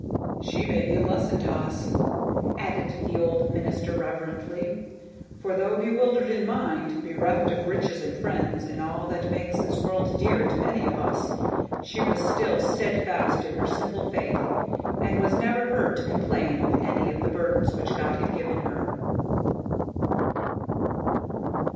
"She may be a lesson to us," added the old minister, reverently; "for, though bewildered in mind, bereft of riches and friends and all that makes this world dear to many of us, she was still steadfast in her simple faith, and was never heard to complain of any of the burdens which God had given her."